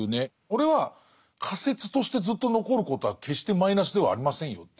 これは仮説としてずっと残ることは決してマイナスではありませんよという。